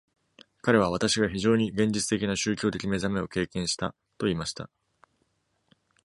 彼は私が非常に現実的な宗教的目覚めを経験したと言いました...